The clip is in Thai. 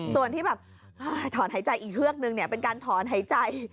ส่วนที่แบบถอนหายใจอีกเฮือกนึงเป็นการถอนหายใจ